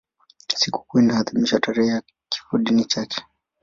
Sikukuu inaadhimishwa tarehe ya kifodini chake.